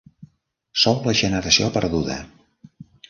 Sou la generació perduda.